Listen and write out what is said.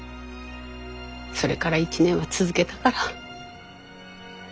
それから１年は続けたから。